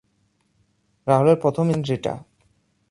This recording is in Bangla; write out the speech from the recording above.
রাহুলের প্রথম স্ত্রী ছিলেন রিটা।